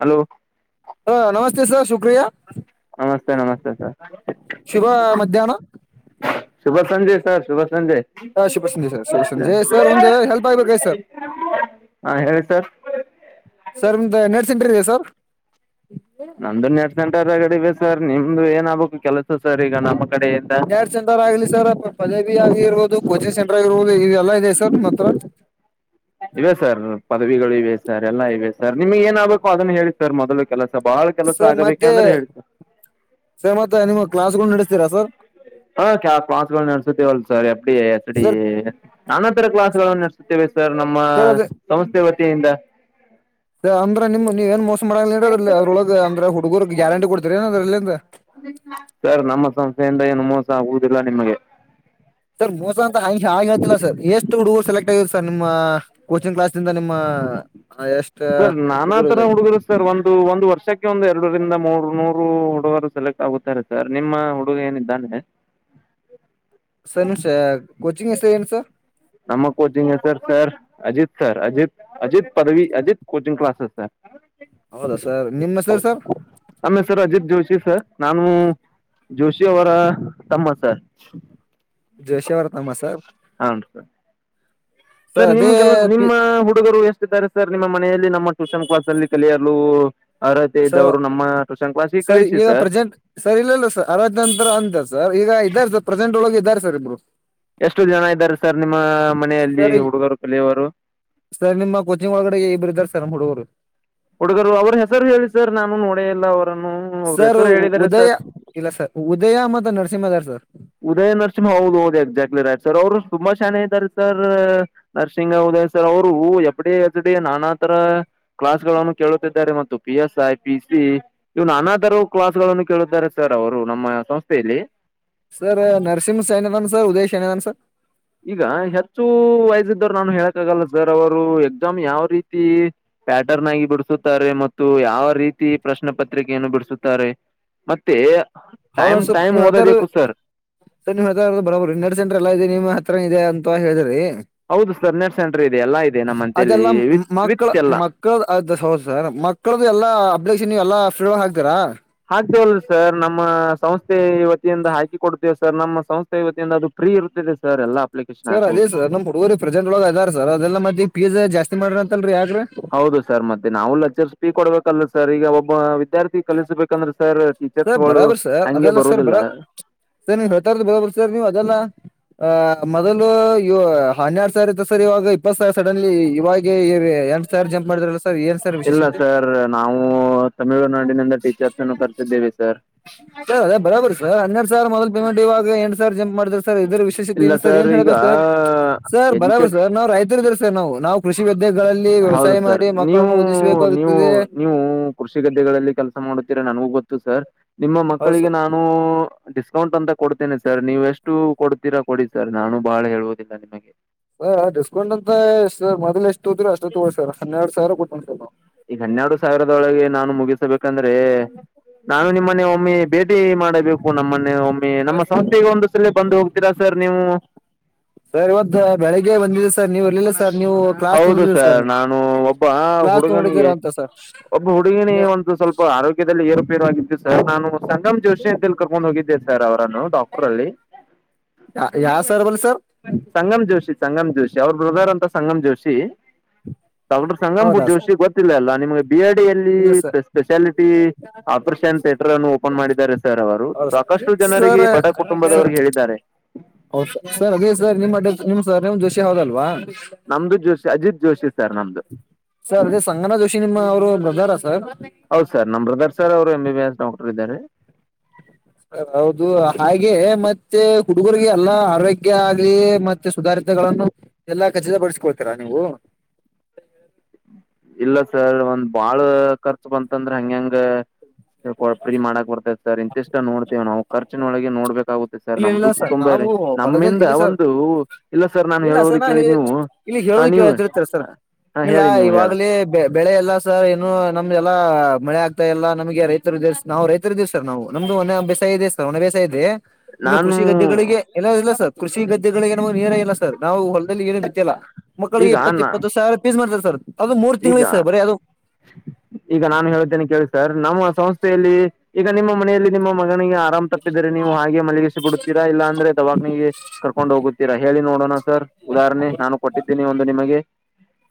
Hello ಹು ನಮಸ್ತೆ sir ಶು ಕಿಯಾ ನಮಸ್ತೆ ನಮಸ್ತೆ ಸರ್ ಶುರೂ ಮಧ್ಯಾಹ್ನ ಶುಭ ಸಂಜೆ ಸರ್ ಶುಭ ಸಂಜೆ ಹ ಶುಭ ಸಂಜೆ ಸರ್ ಶುಭ [unintelligible] ಸಂಜೆ ಸರ್ ಒಂದು ಹೆಲ್ಪ್ ಆಗ್ಬೇಕಾಗಿ ಸರ್ ಹಾ ಹೇಳಿ ಸರ್ ಸರ್ ನಿಮ್ದು ನೆಟ್ ಸೆಂಟ್ರಿ ಇದಿಯ ಸರ್ ನಮ್ದು ನೆಟ್ ಸೆಂಟರಡಿಗ ಸರ್ ನಿಮ್ದು ಏನ್ ಆಗ್ಬೇಕು ಕೆಲಸ ಸರ್ ಇಗ ನಮ್ ನೆಟ್ ಸೆಂಟರ್ ಇಲ್ಲ ಸರ್ ಪ ಪದಭಿ ಆಗಿ ಇರ್ಬೋದು ಕೋಚಿಂಗ್ ಸೆಂಟರ್ ಆಗಿರ್ಬೋದು ಈಗ ಎಲ್ಲಾ ಇದಿಯ ಸರ್ ನಿಮ್ ಹತ್ರ ಇವೆ ಸರ್ ಪದವಿಗಳು ಇವೆ ಸರ್ ಎಲ್ಲಾ ಇವೆ ಸರ್ ನಿಮ್ಗ್ ಏನ್ ಆಗ್ಬೇಕು ಅದನ್ನ ಹೇಳಿ ಸರ್ ಮೊದಲು ಕೆಲಸ ಬಹಳ ಕೆಲಸ ಸೊ ಆಗಬೇಕ ಮತ್ತೆ ಅಂದ್ರೆ ಹೇಳಿ ಸರ್ ಸರ್ ಮತ್ತೇ ನಿಮ್ ಕ್ಲಾಸ್ಗಳು ನಡೆಸ್ತೀರಾ ಸರ್ ಹಾ ಕ್ಲಾ ಪಾಸಗಲ್ ನಡಿಸ್ತಿವಲ್ sir F D A S D sir A ಸರಾ ಕ್ಲಾಸ್ಗಳನ್ನು ನಡೆಸ್ತೀವೆ ಸರ್ ನಮ್ಮಾ ಸರ್ ಸಂಸ್ಥೆ ವತಿಯಿಂದ ಅಂದ್ರೆ ನಿಮ್ಮ ನೀವೇನ್ ಮೋಸ ಮಾಡಂಗಿಲ್ಲ ಅದ್ರಲೊಳಗ ಅಂದ್ರೆ ಹುಡುರ್ಗ್ ಗ್ಯಾರಂಟಿ ಕೊಡ್ತೀರಿ ಏನ್ ಅದ್ರಿಂದ ಸರ್ ನಮ್ಮ ಸಂಸ್ಥೆಯಿಂದ ಏನು ಮೋಸ ಆಗುವುದಿಲ್ಲ ನಿಮಗೆ ಸರ್ ಮೋಸ ಅಂತ ಹಂ ಹಾಗೆ ಹೇಳ್ತಿಲ್ಲಾ ಸರ್ ಎಷ್ಟು ಹುಡು ಸೆಲೆಕ್ಟ್ ಆಗ್ ಸರ್ ನಿಮ್ಮಾ ಕೋಚಿಂಗ್ ಕ್ಲಾಸ್ನಿಂದ ನಿಮ್ಮಾ ಸರ್ ನಾನಾತರ ಹುಡುಗರು ಸರ್ ಒಂದು ಒಂದ್ ವರ್ಷಕ್ ಒಂದು ಎರಡರಿಂದ ಮೂರ್ ನೂರು ಹುಡುಗರು ಸೆಲೆಕ್ಟ್ ಆಗುತ್ತಾರೆ ಸರ್ ನಿಮ್ಮ ಹುಡುಗ ಏನಿದ್ದಾನೆ ಸರ್ ನಿಮ್ ಕೋಚಿಂಗ್ ಹೆಸರು ಏನ್ ಸರ್ ನಮ್ಮ ಕೋಚಿಂಗ್ ಸರ್ ಹೆಸರ್ ಅಜಿತ್ ಸರ್ ಅಜಿತ್ ಅಜಿತ್ ಪದವಿ ಅಜಿತ್ ಕೋಚಿಂಗ್ ಕ್ಲಾಸ್ಸ್ ಸರ್ ಹೌದಾ ಸರ್ ನಿಮ್ಮ ಹೆಸರ್ ಸರ್ ಜೋಷಿ ಸರ್ ನಾನು ಜೋಷಿ ಅವರ ತಮ್ಮ ಸರ್ ಜೋಶ ಅವರ ತಮ್ಮ ಸರ್ ಹಂ ಸ ಸರ್ ಅದೇ ನಿಮ್ ಕೆಲಸ ಪಿ ನಿಮ್ಮ ಹುಡುಗರು ಎಷ್ಟ ಇದ್ದರೆ ಸರ್ ನಿಮ್ಮ ಮನೆಯಲ್ಲಿ ನಮ್ಮ ಟ್ಯೂಷನ್ ಕ್ಲಾಸ್ ಅಲ್ಲಿ ಕಲಿಯಲು ಅರ್ಹತೆ ಇದ್ದವ್ರು ನಮ್ಮ ಟ್ಯೂಷನ್ ಕ್ಲಾಸಿಗೆ ಸರಿ ಕಳಿಸಿ ಈಗ ಸರ್ ಪ್ರೆಸೆಂಟ್ ಸರಿ ಇಲ್ಲ ಇಲ್ಲ ಸರ್ ಅರತ್ ನಂತರ ಅಂತ ಸರ್ ಈಗ ಇದ್ದಾರೆ ಸರ್ ಪ್ರೆಸೆಂಟ್ ಒಳಗೆ ಇದ ಸರಿ ಇಬ್ರು ಎಷ್ಟು ಜನ ಇದ್ದಾರೆ ಸರ್ ನಿಮ್ಮ ಮನೆಯಲ್ಲಿ ಸರ್ ಹುಡುಗರು ಕಲಿಯೋವರು ನಿಮ್ಮ ಕೋಚಿಂಗ್ ಒಳಗಡೆ ತರಂಬಡುವರು ಹುಡುಗರು ಅವ್ರ ಹೆಸರು ಹೇಳಿ ಸರ್ ನಾನು ನೋಡ ಇಲ್ಲ ಅವ ಸರ್ ಉದಯ ಇಲ್ಲ ಸರ್ ಉದಯ ಮತ್ತೆ ನರಸಿಂಹದಾರ್ ಸರ್ ಉದಯ ನರಸಿಂಹ ಹೌದು ಹೌದು ಎಕ್ಸಾಕ್ಟ್ಲಿ ರೈ ಸರ್ ಅವರು ತುಂಬಾ ಷನೆ ಇದ್ದಾರೆ ಸರ್ ನರ್ಸಿಂಗ್ ಹದಯ ಸರ್ ಅವರು ಎಬ್ಡಿ ಎಚ್ಡಿ ನಾನಾ ತರ ಕ್ಲಾಸ್ ಗಳನ್ನು ಕೇಳುತ್ತಿದ್ದಾರೆ ಮತ್ತು P S I PC even another class ಗಳನ್ನು ಕೇಳುತ್ತಿದ್ದಾರೆ ಸರ್ ಅವರು ನಮ್ಮ ಸಂಸ್ಥೆಯಲ್ಲಿ ಸರ್ ನರಸಿಂಹ ಶಾನೆ ಅದನ್ ಸರ್ ಉದೇಶ್ ಹೆಂಗನ್ ಸರ್ ಈಗ ಹೆಚ್ಚು ವಯ್ಸಿದ್ದವ್ರು ನಾನು ಹೇಳಕ್ಕಾಗಲ್ಲ ಸರ್ ಅವರು ಎಕ್ಸಾಮ್ ಯಾವ ರೀತಿ ಪ್ಯಾಟರ್ನ್ ಆಗಿ ಬಿಡಸುತ್ತಾರೆ ಮತ್ತು ಯಾವ ರೀತಿ ಪ್ರಶ್ನ ಪತ್ರಿಕೆಯನ್ನು ಬಿಡಿಸುತ್ತಾರೆ ಮತ್ತೆ ಹೌದೌ ಟೈಮ್ ಸರ್ ಟೈಮ್ ನೀವ್ತ್ತಾರ ಓದಬೇಕು ಸರ್ ಸರ್ ನೀವ್ ಹತ್ತ ಬರರು ಇೆರಡು ಸೆಂ ಎಲ್ಲ ಇದೆ ಹತ್ರ ಇದೆ ಅಂತ ಹೇಳಿದ್ರಿ ಹೌದು ಸರ್ ನೆಟ್ ಸೆಂಟರ್ ಇದೆ ಎಲ್ಲ ಇದೆ ನಮ್ಮ ಅಂತೇಳಿ ಅದೆಲ್ಲ ವಿತ್ ಮಕ್ಕಳ ವಿತ್ ಎಲ್ಲ ಮಕ್ಕಳ ಅದ ಸೋರ್ಸ್ ಮಕ್ಕಳ್ದು ಎಲ್ಲ ಅ್ರಕ್ಷನ್ ನೀ ಎಲ್ಲಾ ಫೀ ಹಾಕ್ತಾರಾ ಆಕ್ವಲ್ಲ ಸರ್ ನಮ್ಮ ಸಂಸ್ಥೆ ವತಿಯಿಂದ ಹಾಕಿ ಕೊಡುತ್ತೇವೆ ಸರ್ ನಮ್ಮ ಸಂಸ್ಥೆತಿಯಿಂದ ಅದು ಫ್ರೀ ಇರುತ್ತದೆ ಸರ್ ಎಲ್ಲಾ ಸರ್ ಅದೇ ಸರ್ ನಮ್ಮ್ ಹಡಗರಿ ಪ್ರೆಸೆಂಟ್ ಒಳ ಇದ್ದಾರೆ ಸರ್ ಅದೆಲ್ಲ ಮತ್ತೆ ಫೀಸ್ ಜಾಸ್ತಿ ಮಾಡ್ರಿ ಅಂತಲ್ರಿ ಯಾಕ್ರಿ ಹೌದು ಸರ್ ಮತ್ತೆ ನಾವವುಲ್ಲಚರ್ರಿಸ ಪೀ ಕೊಡ್ಬೇಕಲ್ಲ ಸರ್ ಈಗ ಒಬ್ಬ ವಿದ್ಯಾರ್ಥಿ ಕಲಿಸ್ಬೇಕಂದ್ರೆ ಸರ್ ಬರಾಬರಿ ಸರ್ ಅದೆಲ್ಲ ಸರ್ ಬರ ಸರ್ ನೀವ್ ಹೇಳ್ತಾರ್ದ ಬರಬರಿ ಸರ್ ನೀವ್ ಅದೆಲ್ಲಾ ಆ ಮೊದಲು ಇ ಹನ್ನೆರಡ್ ಸಾವಿರ ಇತ್ತು ಸರ್ ಇವಾಗ ಇಪ್ಪತ್ತು ಸಾವಿರ ಸಡನ್ಲಿ ಇವಾಗೆ ಏ ಎರ್ಡು ಸರ್ ಜಂಪ್ ಮಾಡಿದಾರಲ್ಲ ಸರ್ ಏನ್ ಸಾರ್ ವಿಶೇಷತೆ ಹ್ಮ್ ತಮಿಳುನಾಡಿನಿಂದ ಟೀಚರ್ಸ್ ಅನ್ನು ಕರೆಸಿದ್ದೇವಿ ಸರ್ ದ ಹನ್ನೆರಡ್ ಸಾರ್ ಮೊದ ಪೇಮೆಂಟ್ ಇವಾಗ ಎಂಟು ಸಾರ್ ಜಂಪ್ ಮಾಡ್ರ ರ್ ಇದ್ರ ವಿಶೇಷತೆ ಇಲ್ಲ ಸರ್ ಏನ್ ಈಗ ಹೇಳ್ಬೇಕು ಸರ್ ಸರ್ ಬರಬರ್ ಎಜುಕೇಟ್ ಸರ್ ನಾ್ ರೈತರು ಇದ್ದಾರೆ ಸರ್ ನಾವು ನಾವು ಕೃಷಿ ವಿದ್ಯೆಗಳಲ್ಲಿ ಹೌದು ವ್ಯವಸಾಯ ಸರ್ ಮಾಡಿ ನೀವು ಮಕ್ಕಳನ್ನು ನೀವು ಓದಿಸಬೇಕಾಗುತ್ತದೆ ನೀವು ಕೃಷಿ ಗದ್ದೆಗಳಲ್ಲಿ ಕಲ್ ಮಾಡುತ್ತೀರ ನನಗೂ ಗೊತ್ತು ಸರ್ ನಿಮ್ಮ ಹೌದು ಮಕ್ಕಳಿಗೆ ಸರ್ ನಾನು ಡಿಸ್ಕೌಂಟ್ ಅಂತ ಕೊಡ್ತೇನೆ ಸರ್ ನೀವು ಎಷ್ಟು ಕೊಡ್ತೀರಾ ಕೊಡಿ ಸರ್ ನಾನು ಬಹಳ ಹೇಳುವುದಿಲ್ಲ ನಿಮಗೆ ಹ ಡಿಸ್ಕೌಂಟ್ ಅಂತಷ್ಟ ಮೊದ್ಲು ಎಷ್ಟು ತೋದ್ರ ಅಷ್ಟತ್ತ ಗೋಳ್ರ ಸಾವಿರ ಹನ್ನೆರಡು ಸಾವಿರ ಕೊಟ್ಟಂ ಸರ್ ನ ಯಾಕಂದ್ರೆ ನಾನು ನಿಮ್ಮನೆ ಒಮ್ಮೆ ಭೇಟಿ ಮಾಡಬೇಕು ನಮ್ಮನೆ ಒಮ್ಮೆ ನಮ್ಮ ಸಂಸ್ಥೆಗೆ ಒಂದ್ ಸಲ ಬಂದು ಹೋಗ್ತೀರಾ ಸರ್ ನೀವು ಸರ್ ಇವತ್ತು ಬೆಳಿಗ್ಗೆ ಬಂದಿದೆ ಸರ್ ನೀವಲ್ಲಿಲ್ಲ ಸರ್ ನೀವು ಕ್ಲಾಸ್ ಹೌದು ತಂದಿದರಿ ಸರ್ ನಾನು ಒಬ್ಬ ಕ್ಲಾಸ್ ನೋಡಿದೀರ ಹುಡುಗನಿಗೆ ಅಂತ ಸರ್ ಒಬ್ಬ ಹುಡುಗಿ ನೀವು ಒಂದು ಸ್ವಲ್ಪ ಆರೋಗ್ಯದಲ್ಲಿ ಏರುಪೇರ ಆಗಿದ್ದ ಸರ್ ನಾನು ಸಂಗಮ್ ಜೋಶಿ ಅಂತ ಕರ್ಕೊಂಡ್ ಹೋಗಿದ್ದೆ ಸರ್ ಅವ್ರನ್ನು ಡಾಕ್ಟರ್ ಅಲ್ಲಿ ಯಾವ ಸರ್ ಬಲ್ ಸರ್ ಸಂಗಮ್ ಜೋಷಿ ಸಂಗಮ್ ಜೋಷಿ ಅವ್ರ ಬ್ರದರ್ ಅಂತ ಸಂಗಮ್ ಜೋಷಿ ಡಾಕ್ಟರ್ ಸಂಗಪು ಹೌದಾ ಸರ್ ಜೋಶಿ ಗೊತ್ತಿಲ್ಲ ಅಲ್ಲ ನಿಮ್ಗೆ ಬಿ ಎಡಿಿಯಲ್ಲಿ ಇಲ್ಲ ಸರ್ ಸ್ಪೆಷಾಲಿಟಿ ಥೇಟರ್ ಅನ್ನು ಓಪನ್ ಮಾಡಿದ್ದಾರೆ ಸರ್ ಅವರು ಹೌದು ಸಾಕಷ್ಟು ಜನರಿಗೆ ಸರ್ ಬಡ ಕುಟುಂಬದವರಿಗೆ ಹೇಳಿದ್ದಾರೆ ಹೌ ಸರ್ ಅದೇ ಸರ್ ನಿಮ್ಮ್ ಅಡಮ್ ಸರ್ ನವು್ ಜೋಷಿ ಹೌದಲ್ವಾ ನಮ್ದು ಜೋಶಿ ಅಜಿತ್ ಜೋಶಿ ಸರ್ ನಮ್ದು ಸರ್ ಅದೇ ಸಂಗನಾ ಜೋಶಿ ನಿಮ್ಮ ಅವರು ಬ್ರದರ ಸರ್ ಹೌದ್ ಸರ್ ನಮ್ಮ್ ಬ್ರದರ್ ಸರ್ ಅವರು A B B S doctor ಇದ್ದಾರೆ ಹೌದು ಹಾಗೆ ಮತ್ತೆ ಹುಡುಗರ್ರಿಗೆ ಎಲ್ಲಾ ಆರೋಗ್ಯ ಆಗ್ಲಿ ಮತ್ತೆ ಸುಧಾರ ದಗಳನ್ನು ಎಲ್ಲಾ ಖಚಿತಪಡಿಸಿಕೊಳ್ತೀರಾ ನೀವು ಇಲ್ಲ ಸರ್ ಒಂದ್ ಬಾಳ ಖರ್ಚು ಬಂತಂದ್ರೆ ಹಂಗಂಗ ಫ್ರೀ ಮಾಡಾಕ್ ಬರ್ತೈದೆ ಸರ್ ಇಂತಿಷ್ಟ ನೋಡ್ತೇವೆ ನಾವು ಖರ್ಚಿನ ಒಳಗೆ ನೋಡ್ಬೇಕು ತ್ತೆ ಸರ್ ಇಲ್ಲ ಇಲ್ಲ ನಮ್ದು ಸರ್ ಕುಟುಂಬ ನಾವು ಹೊಲದಲ್ಲಿ ನಮ್ಮಿಂದ ಇಲ್ಲ ಸರ್ ಒಂದು ಇಲ್ಲ ಸರ್ ನಾನು ಇಲ್ಲ ಹೇಳುವುದ ಸರ್ ನಾ ಕೇಳಿ ನೀವು ಇಲ್ಲಿ ಹಾ ಹೇಳೋದಕ್ಕೆ ನೀವು ತಿರ್ತರ ಸರ್ ಹಾ ಇಲ್ಲ ಹೇಳಿ ನೀವು ಹೇಳ ಇವಾಗಲೇ ಬೆಳೆ ಎಲ್ಲ ಸರ್ ಏನು ನಮ್ದ ಎಲ್ಲಾ ಮಳೆ ಆಗ್ತಾ ಎಲ್ಲ ನಮಗೆ ರೈತರು ಇದ್ದ ನಾವು ರೈತರು ಇದೀವಿ ಸರ್ ನಾವು ನಮ್ದು ಒನೆ ಬಸ ಇದೆ ಸರ್ ಒನೆ ಬೇಸ ಇದೆ ನಿಮಗೆ ನಾನು ಕೃಷಿ ಗದ್ದೆಗಳಿಗೆ ಎಲ್ಲ ಇಲ್ಲ ಸರ್ ಕೃಷಿ ಗದ್ದಗಳಿಗೆಏ ನೀರ ಇಲ್ಲ ಸರ್ ನಾವು ಹೊಲದಲ್ಲಿ ಏನನು ಬಿತ್ತಲ್ಲ ಮಕ್ಕಳಿಗೆ ಈಗ ಇಪ್ಪತ್ತು ನಾ ಇಪ್ಪತ್ತು ಸಾವಿರ ಪೀಸ್ ಮಾಡ್ತಾರೆ ಸರ್ ಅದು ಮೂರ್ ಈಗ ತಿಂಗಳಿಗೆ ಸರ್ ಬರೀ ಅದು ಈಗ ನಾನು ಹೇಳತೇನೆ ಕೇಳ ಸರ್ ನಮ್ಮ ಸಂಸ್ಥೆಯಲ್ಲಿ ಈಗ ನಿಮ್ಮ ಮನೆಯಲ್ಲಿ ನಿಮ್ಮ ಮ ಗೆ ಆರಾಮ್ ತಪ್ಪಿದರೆ ನೀವು ಹಾಗೆ ಮಲ್ಲಿಗಿಸಿ ಬಿಡುತ್ತೀರಾ ಇಲ್ಲ ಅಂದ್ರೆ ದವಾಾಕಣಿಗೆ ಕರ್ಕೊಂಡು ಹೋಗುತ್ತೀಾ ಹೇಳಿ ನೋಣ ಸರ್ ಉದಾಹರಣೆ ನಾನು ಕೊಟ್ಟಿದ್ದೀನಿ ಒಂದು ನಿಮಗೆ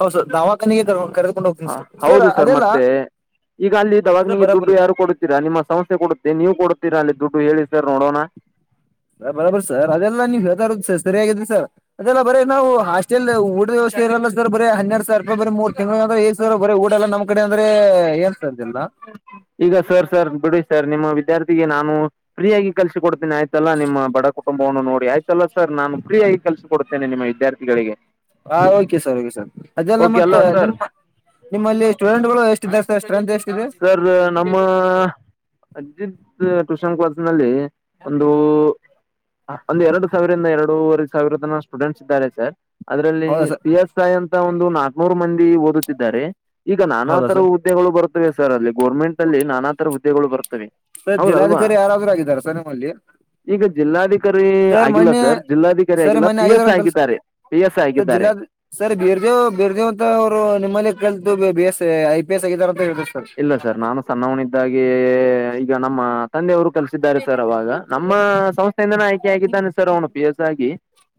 ಹೌದು ಸರ್ ದಾವಖನಿಗೆ ಕರ್ಕೊಂಡು ಹೋಗ್ತನ ಸ ಸರ್ ಹೌದು ಅದೆಲ್ಲಾ ಮತ್ತೆ ಈಗ ಅಲ್ಲಿ ಇದವಾಗ ನಿಂಗೆ ದುಡ್ಡು ಯಾರು ಕೊಡುತ್ತೀರಾ ನಿಮ್ಮ ಸಮಸ್ಯೆ ಕೊಡುತ್ತೆ ನೀವು ನೀ ಕೊಡ್ತೀರಾ ಅಲ್ಲಿ ದುಡ್ಡು ಹೇಳಿ ಸರ್ ನೋಡೋಣ ಬರೋಬರ್ ಸರ್ ಅದೆಲ್ಲ ನೀವ್ ಹೇಳ್ತ ಇರ ಸರ್ ಸರಿಯಗಿದ್ರ ಸರ್ದೆಲ್ಲ ಬರೀ ನಾವು ಹಾಸ್ಟೆಲ್ ಊಟ ವ್ಯವಸ್ಥ ಇರಲ್ಲ ಸರ್ ಬರಿ ಹನ್ನೆರ ಸಾವಿರೂಪಾಯ ಬ ಮೂ ತಿಂಗಗಳು ಸಾವಿರ ಬರನಮ್ ಡಲ್ಲ ನಮ್ಮ ಕಡೆ ಅಂದ್ರೆ ಏನ್ ಸರ್ ಇದೆಲ್ಲ ಈಗ ಸರ್ ಸರ್ ಬಿಡು ಸರ್ ನಿಮ್ಮ ವಿದ್ಯಾರ್ಥಿಗೆ ನಾ ಫ್ರೀಯಗಿ ಕಲಸ ಕೊಡ್ತೀನಿ ಆಯ್ತಲ್ಲ ನಿಮ್ಮ ಬಡ ಕುಟುಂಬವನ್ನು ನೋಡಿ ಆಯ್ತಲ್ಲ ಸರ್ ನಾನು ಫ್ರೀಯಾಗಿಲ್ಸ ಕೊಡ್ತೇನೆ ನಿಮ್ಮ ವಿದ್ಯಾರ್ಥಿಗಳಿಗೆ ಹಾ ಓಕೆ ಸರ್ ಓಕೆ ಸರ್ ಅದೆಲ್ಲ ಓಕೆ ಮತ್ತೆ ಅಲ್ವಾ ಸರ್ ನಿಮ್ಮ ನಿಮ್ಮಲ್ಲಿ ಸ್ಟೂಡೆಂಟ್ಗಳು ಎ ಷ್ಟ [unintelligible] ಸರ್ ನಮ್ಮ ಅಜಿತ್ ಟೂಷನ್ ಕ್ಲಸ್ ನಲ್ಲಿ ಹ [unintelligible] ಒಂದ ಎರಡು ಸಾವಿರಂದ ಎರಡೂವರೆ ಸಾವಿರ ತನ ಸ್ಟೂಡೆಂಟ್ಸ್ ಇದ್ದಾರೆ ಸರ್ ಅದರಲ್ಲಿ ಹೌದಾ ಸರ್ ಪಿ ಎಸ್ ಐ ಅಂತ ಒಂದು ನಾಕ್ನೂರು ಮಂದಿ ಓದುತ್ತಿದ್ದಾರೆ ಈಗ ನಾನಾ ಹೌದಾ ತರ ಸರ್ ಹುದ್ದೆಗಳು ಬರ್ತವೆ ಸರ್ ಅಲ್ಲಿ ಗೋರ್ಮೆಂಟ್ ಅಲ್ಲಿ ನಾನಾ ತರ ಹುದ್ದೆಗಳು ಬರ್ತವೆ ಸರ್ ಹೌದಲ್ವಾ ಜಿಲ್ಲಾಧಿಕಾರಿ ಯಾರಾದ್ರೂ ಆಗಿದ್ದಾರೆ ಸರ್ ನಿಮ್ಮಲ್ಲಿ ಈಗ ಜಿಲ್ಲಾಧಿಕಾರಿ ಅಿಕಾರಿ ಆಗಿಲ್ಲ ಸರ್ ಜಿಲ್ಲಾಧಿಕಾರಿ ಸರ್ ಆಗಿಲ್ಲ ಮೊನ್ನೆ ಪಿ ಆಗಿದಾರ ಎಸ್ ಅಂತಲ್ ಸರ್ ಆಗಿದ್ದಾರೆ ಪಿ ಎಸ್ ಆಗಿದ್ದಾರೆ ಇ ಬಿರ್ದೇವ ಅಂತ ಅವರು ನಿಮ್ಮಲ್ಲಿ ಕಲ್ತು B S I P S ಆಗಿದ್ದಾರೆ ಇಲ್ಲ ಸರ್ ನಾನು ಸಣ್ಣವನಿದ್ದಾಗೆ ಈಗ ನಮ್ಮ ತಂದೆಯವರು ಕಲಸಿದ್ದಾರೆ ಸರ್ ಅವಾಗ ನಮ್ಮ ಸಂಸ್ಥೆಯಿಂದಾನ ಆಯ್ಕೆೆಯಾಗಿದ್ದಾನೆ ಸರ್ ಅವ್ನು ಪಿ ಎಸ್ ಆಗಿ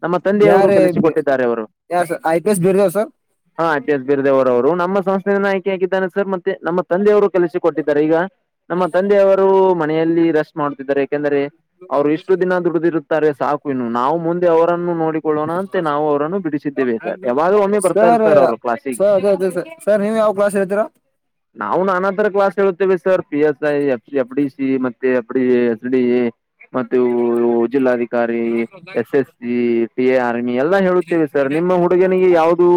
ನಮ್ಮ ತಂದೆಯವರು ಯಾರ ಕೆಲಸಿಕೊಟ್ಟಿದ್ದಾರೆ ಅವರು ಯ sir I P S Birdev sir ಹಾ ಎಚ್ ಎಸ್ ಬೀರ್ ದೇವ್ರ ಅವರು ನಮ್ಮ ಸಂಸ್ಥೆಯ ನಾಯಕಿಯಾಗಿದ್ದಾನೆ ಸರ್ ಮತ್ತೆ ನಮ್ಮ ತಂದೆಯವರು ಕೆಲಸ ಕೊಟ್ಟಿದ್ದಾರೆ ಈಗ ನಮ್ಮ ತಂದೆಯವರು ಮನೆಯಲ್ಲಿ ರೆಸ್ಟ್ ಮಾಡ್ತಿದ್ದಾರೆ ಯಾಕೆಂದ್ರೆ ಅವ್ರು ಇಷ್ಟು ದಿನ ದುಡಿದಿರುತ್ತಾರೆ ಸಾಕು ಇನ್ನು ನಾವು ಮುಂದೆ ಅವರನ್ನು ನೋಡಿ ಮಾಡೋಡಿಕೊಳ್ಳೋಣ ಅಂತೆ ನಾವು ಅವ್ರನ್ನು ಬಿಡಿಸಿದ್ದೇವೆ ಯಾವ್ದೂ ಒಮ್ಮೆ ಬರ್ತಾರ ಸರ್ ಅವರು ಕ್ಲಾಸಿಗೆ ಯಾವ್ ಕ್ಲಾಸ್ ಹೇಳ್ತಿರ ನಾವು ನಾನಾ ತರ ಕ್ಲಾಸ್ ಹಳ್ತ್ತೇವೆ sir P S I F C F D C ಮತ್ತೆ ಮ ಅ ಎಸ್ ಡಿ ಮೆ ಜಿಲ್ಲಾಧಿಕಾರಿ ಎಸ್ ಎಸ್ ಎಲ್ಲ ಹೇಳುತ್ತೇವೆ ಸರ್ ನಿಮ್ಮ ಹುಡುಗನಿಗೆ ಯಾವವುದು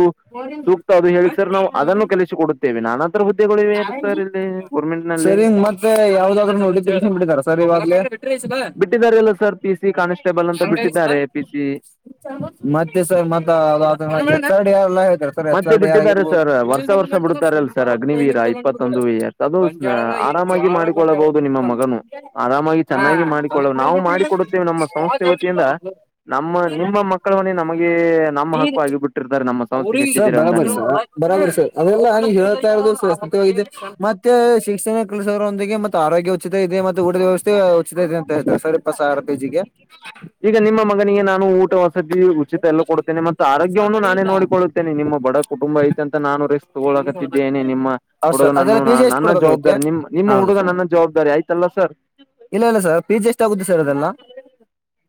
ಸೂಕ್ತ ಅದು ಹೇಳಿ ಸರ್ ನಾವು ಅದನ್ನು ಕಲಸಿ ಕೊಡುತ್ತೇವೆ ನಾನ ನಲ್ಲಿ ಸರಿ ಮತ್ತೆ ಯಾವ್ದಾದ್ದ್ರ ನೋಟಿಫಿಕೇಶನ್ ಬಿಟ್ಟಿದಾರ ಸರ್ ಇವಾಗ್ಲೇ ಬಿಟ್ಟಿದ್ದಾರೆ ಅಲ್ಲಾ ಸರ್ ಪಿಸಿ ಕಾನ್ಸ್ಟೇಬಲ್ ಅಂತ ಬಿಟ್ಟಿದ್ದಾರೆ ಪಿ ಸಿ ಮತ್ತೆ ಸರ್ ಮತ್ತ ಆರ್ಡಿ ಯಾರಲ್ಲ ಹೇಳ್ತಾರೆ ಸರ್ ಎಚ್ ಮತ್ತೆ ಆರ ಡಿ ಬಿಟ್ಟಿದ್ದಾರೆ ಆಗಿರಬಹುದು ವರ್ಷ ಬಿಡುತ್ತಾರೆ ಅಲ್ಲ ಸರ್ ಅಗ್ನಿ ವೀರ ಇಪ್ಪತ್ತೊಂದು ವ ಅದು ಆರಾಮಾಗಿ ಮಾಡಿಕೊಳ್ಳಬಹುದು ನಿಮ್ಮ ಮಗನು ಆರಾಮಾಗಿ ಚೆನ್ನಾಗಿ ಮಾಡಿಕೊಳ್ಳ ನಾವು ಮಾಡಿಕೊಡುತ್ತೇವೆ ನಮ್ಮ ಸಂಸ್ಥೆ ವತಿಯಿಂದ ನಮ್ಮ ನಿಮ್ಮ ಮಕ್ಕಳವನೇ ನಮಗೆ ನಮ್ಮ ಹಕ್ಕು ಆಗಿ ಬಿಟ್ಟಿರ್ತಾರೆ ಅವ್ರಿಗೆ ಬರಬರ್ ಸರ್ ಬರಾಬಾರ್ ಸರ್ ಅವೆಲ್ಲಾ ಹೇಳ್ತಾ ಇರೋದು ಸಾರ್ ಮತ್ತ ಶಿಕ್ಷಣ ಕಳಿಸರೊಂದಿಗೆತ್ತೆ ಆರೋಗ್ಯ ಉಚಿತ ಇದೆ ಮತ್ತು ಊಟದ ವ್ಯವಸ್ಥೆ ಉಚಿತ ಇದೆ ಅಂತ ಹೇಳ್ತಾರೆ ಇಪ್ಪತ ಸಾವಿರ ಫೀಸ್ ಗೆ ಈಗ ನಿಮ್ಮ ಮಗನಿಗೆ ನಾನು ಊಟ ವಸತಿ ಉಚಿತ ಎಲ್ಲ ಕೊಡ್ತೇನೆ ಮತ್ತು ಆರೋಗ್ಯವನ್ನು ನಾನೇ ನೋಡಿಕೊಳುತ್ತೇನೆ ನಿಮ್ಮ ಬಡ ಕುಟುಂಬ ಐತ ಅಂತ ನಾನು ರೆಸ್ಕ್ ತಗೊಳಕತಿದ್ದೆೇನೆ ನಿಮ್ಮ ಹೌದು ಸರ್ ಹುಡುಗನನ್ನು ಅದೆಲ್ಲ ಪಿ ಜಿ ನಾನು ಎಷ್ಟು ನನ್ನ ಕೊಡ್ಬೇಕಾಗುತ್ತೆ ಜವಾಬ್ದಾರಿ ನಿಮ್ ನಿಮ್ಮ ಹೌದು ಹುಡುಗ ಸರ್ ನನ್ನ ಜವಾಬ್ದಾರಿ ಆಯ್ತಲ್ಲ ಸರ್ ಇಲ್ಲ ಇಲ್ಲ ಸರ್ ಫೀಸ್ ಎಷ್ಟ ಆಗುತ್ತೆ ಸರ್ ಅದೆಲ್ಲಾ.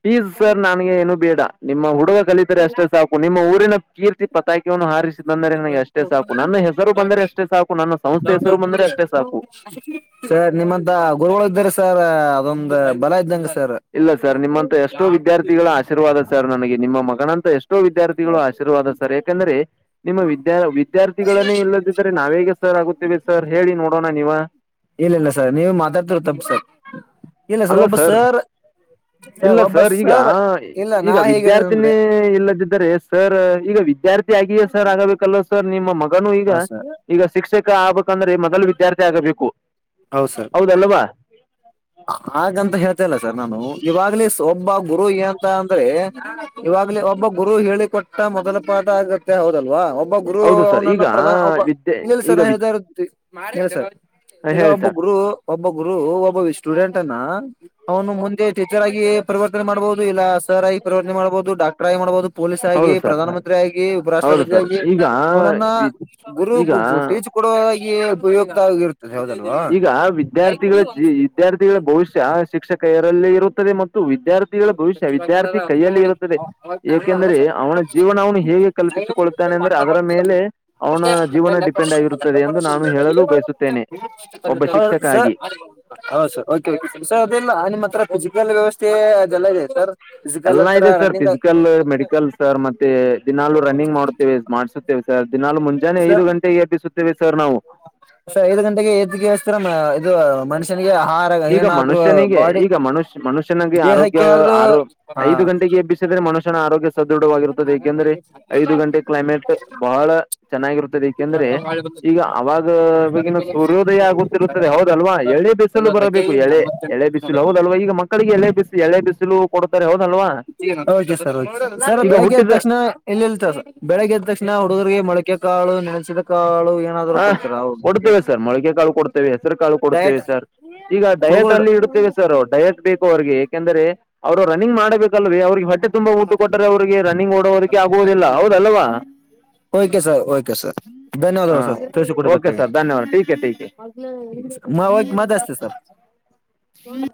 ಫೀಸ್ ಸರ್ ನನ್ಗೆ ಏನು ಬೇಡ ನಿಮ್ಮ ಹುಡುಗ ಕಲಿತರೆ ಅಷ್ಟೇ ಸಾಕು ನಿಮ್ಮ ಊರು ಊರಿನ ಕೀರ್ತಿ ಪಟಾಕಿ ವನು ಹಾರಿ ಬಂದರೆ ನನಗೆ ಅಷ್ಟೇ ಸಾಕು ನನ್ನ ಹೆಸರು ಬಂದರೆ ಅಷ್ಟೇ ಸಾಕು ನನ್ನ ಸಂಸ್ಥೆ ಹೆಸರು ಬಂದ್ರೆ ಅಷ್ಟೇ ಸಾಕು ಸರ್ ನಿಮ್ಮಂತ ಗುರುಗಳು ಇದ್ದಾರೆ ಸರ್ ಅದೊಂದ್ ಬಲ ಇದ್ದಂಗ ಸರ್ ಇಲ್ಲ ಸರ್ ನಿಮ್ಮಂತ ಎಷ್ಟೋ ವಿದ್ಯಾರ್ಥಿಗಳ ಆಶೀರ್ವಾದ ಸರ್ ನನಗೆ ನಿಮ್ಮ ಮಗನಂತ ಎಷ್ಟೋ ವಿದ್ಯಾರ್ಥಿಗಳು ಆಶೀರ್ವಾದ ಸರ್ ಯಾಕಂದ್ರೆ ನಿಮ್ಮ ವಿದ್ಯಾ ವಿದ್ಯಾರ್ಥಿಗಳನ್ನೇ ಇಲ್ಲದಿದ್ದರೆ ನಾವೇಗ ಸರ್ ಆಗುತ್ತೇವಿ ಸರ್ ಹೇಳಿ ನೋಡೋಣ ನೀವ ಇಲ್ಲ ಇಲ್ಲ ಸರ್ ನೀವು ಮಾತಾಡ್ತಿರ ತಪ್ಪ ಸರ್ ಇಲ್ಲ ಸರ್ ಒಬ್ಬ ಸರ್ ಇಲ್ಲ ಸರ್ ಈಗ ಇಲ್ಲ ನಾ ಈಗ ಹೇಗಿದ್ದೇನೆ ಅಂದ್ರೆ ವಿದ್ಯಾರ್ಥಿನೇ ಇಲ್ಲದಿದ್ದರೆ ಸರ್ ಈಗ ವಿದ್ಯಾರ್ಥಿ ಆಗಿಯೇ ಸರ್ ಆಗಬೇಕಲ್ಲೋ ಸರ್ ನಿಮ್ಮ ಮಗನು ಈಗ ಹ ಸರ್ ಈಗ ಶಿಕ್ಷಕ ಆಗ್ಬಂದ್ರೆ ಮೊದಲು ವಿದ್ಯಾರ್ಥಿ ಆಗಬೇಕು ಹೌದ್ ಸರ್ ಹೌದಲ್ವಾ [unintelligible] ಹಾಗಂತ ಹೇಳ್ತಲ್ಲ ಸರ್ ನಾನು ಇವಾಗ್ಲೇ ಒಬ್ಬ ಗುರು ಎಂತ ಅಂದ್ರೆ ಇವಾಗ್ಲ ಒಬ್ಬ ಗುರು ಹೇಳಿ ಕೊಟ್ಟ ಮೊದಲ ಪಾಠ ಆಗ ಬೇಕ್ ಹೌದಲ್ವಾ ಒಬ್ಬ ಗುರು ಹೌದು ಸರ್ ಅವನನ್ನ ಈಗ ಪ್ರಧಾನ ಒಬ್ಬ ವಿದ್ಯೆ ಇಲ್ಲ ಇಲ್ಲ ಸರ್ ಈಗ ವಿ ಹೇಳ್ತಾ ಇರ್ ಈಗ ಹೇಳಿ ಒಬ್ಬ ಸರ್ ಗುರು ಒಬ್ಬ ಗುರು ಒಬ್ಬ ಸ್ಟೂಡೆಂಟ್ ಅನ ಅವನು ಮುಂದೆ ಟೀಚರ್ ಆಗಿ ಪರಿವರ್ತನೆ ಮಾಡಬಹುದು ಇಲ್ಲ ಸರ್ ಆಗಿ ಪರಿವರ್ತನೆ ಮಾಡ್ಬಹುದು ಡಾಕ್ಟರ್ ಆಗಿ ಮಾಡಬಹುದು ಪೊಲೀಸ್ ಆಗಿ ಹೌದು ಸರ್ ಪ್ರಧಾನ ಮಂತ್ರಿ ಆಗಿ ಹೌದು ಉಪರಾಷ್ಟ್ರಪತಿ ಸರ್ ಆಗಿ ಈಗ ಅವನನ್ನ ಗುರು ಈಗ ಕೂಡುವ ಈ ಉಪಯುಕ್ತ ಆಗೀರು ಈಗ ವಿದ್ಯಾರ್ಥಿಗಳ ಜಿ ವಿದ್ಯಾರ್ಥಿಗಳ ಭವಿಷ್ಯ ಶಿಕ್ಷಕರಲೀ ಇರುತ್ತದೆ ಮತ್ತು ವಿದ್ಯಾರ್ಥಿಗಳ ಭವಿಷ್ಯ ವಿದ್ಯಾರ್ಥಿ ಕೈಯಲ್ಲಿ ಇರುತ್ತದೆ ಏಕೆಂದರೆ ಅವನ ಜೀವನ ಅವನು ಹೇಗೆ ಕಲ್ ಪ್ಪಿಸಿಕೊಳ್ಳತಾನೆ ಅಂದ್ರೆ ಅದರ ಮೇಲೆ ಅವನ ಜೀವನ ಡಿಪೆಂಡ್ ಆಗಿರುತ್ತದೆ ಎಂದು ನಾನು ಹೇಳಲು ಬಯಸುತ್ತೇನೆ ಒಬ್ಬ ಹೌದು ಶಿಕ್ಷಕ ಸರ್ ಆಗಿ ಸ ಅದೆಲ್ಲ ನಿಮ್ಮ ಹತ್ರ ಫಿಸಿಕಲ್ ವ್ಯವಸ್ಥೆ ಅದೆಲ್ಲಾ ಇದೆ ಸರ್ ಫಿಸಿಕಲ್ ಎಲ್ಲಾ ಹತ್ರ ಇದೆ sir running physical medical sir ಮತ್ತೆ ದಿನಲ್ಲೂ ರನ್ನಿಂಗ್ ಮಾಡುತ್ತೇವೆ ಮಾಡ್ಸುತ್ತೇವೆ ಸರ್ ದಿನಾಲೂ ಮುಂಜಾನೆ ಐದು ಗಂಟೆಗೆ ಎಬ್ಬಿಸುತ್ತ ಸರ ಐದು ಗಂಟೆಗೆ ಎದ್ದಿಕ್ಯಾಸಿ ಇದು ಮನುಷ್ಯ ಈಗ ಮನುಷ್ಯನಿಗೆ ಈಗ ಮನುಷ್ಯ ಮನುಷ್ಯನಿಗೆ ದೇಹಕ್ಕೆ ಆರೋಗ್ಯ ಏನಾದ್ರು ಆರು ಹಾ ಐದು ಗಂಟೆಗೆ ಎಬ್ಬಿಸಿದರೆ ಮನುಷ್ಯನ ಆರೋಗ್ಯ ಸದೃಢವಾಗಿರುತ್ತದೆ ಏಕೆಂದ್ರೆ ಐದು ಗಂಟೆ ಕ್ಲೈಮೇಟ್ ಬಹಳ ಚೆನ್ನಾಗಿರುತ್ತದೆ ಏಕೆಂದ್ರೆ ಈಗ ಅವಾಗ ಈಗಿನ ಸೂರ್ಯೋದಯ ಆಗುತ್ತಿರುತ್ತದೆ ಹೌದಲ್ವಾ ಏಳಿ ಬಿ ಸಲು ಬರಬೇಕು ಎಳೆ ಎಳೆ ಬಿಸಿಲು ಹೌದು ಅಲ್ವಾ ಈಗ ಮಕ್ಕಳಿಗೆ ಎಳೆ ಬಿಸಿಲು ಎಳೆ ಬಿಸಿಲು ಕೊಡ್ತಾರೆ ಹೌದ ಓಕೆ ಸರ್ ಓಕೆ ಸರ್ ಈಗ ಬೆಳಿಗ್ಗೆ ಎದ್ದ ಹುಟ್ಟಿದ ತಕ್ಷಣ ಇಲ್ಲ ಇಲ್ಲ ಸರ್ ಬೆಳಿಗ್ಗೆದ್ದ ತಕ್ಷಣ ಹುಡುಗರ್ಗೆ ಮೊಳಕೆ ಕಾಳು ಕಾಳು ಏನಾದ್ರು ಹಾ ಕೊಡ್ತೀರಾ ಅವ್ರಿಗೆ ಕೊಡ್ತೇವೆ ಸರ್ ಮೊಳಗೆ ಕಾಳು ಕೊಡ್ತೇವೆ ಹೆಸರು ಕಾಳು ಕೊಡ್ತೇವೆ ಡಯಟ್ ಸರ್ ಈಗ ಡಯಟ್ ಹುಡುಗರು ಅಲ್ಲಿ ಇಡುತ್ತೇವೆ ಸರ್ ಡಯಟ್ ಬೇಕು ಅವ್ರಿಗೆ ಯಏಕೆಂದ್ರೆ ಅವರು ರನ್ನಿಂಗ್ ಮಾಡ್ಬೇಕಲ್ರೀ ಅವ್ರಿಗೆ ತುಂಬ ಊಟ ಕೊಟ್ಟರೆ ಅವ್ರಿಗೆ ರನ್ನಿಂಗ್ ಓಡೋವರಿಗೆ ಆಗುವುದಿಲ್ಲ ಹೌದಲ್ವಾ ಓಕೆ ಸರ್ ಓಕೆ ಸರ್ ಬೆನ್ದ ಹಾಂ ಸರ್ ತಿಳಸ ಕೊಡ ಓಕೆ ಸರ್ ಧನ್ಯವಾದ ಟೀಕ್ ಹೈ ಟೀಕ್ ಹೈ ಮದ ಅಸ್ತಿ ಸರ್ ಹನ್